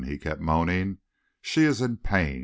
he kept moaning. "She is in pain.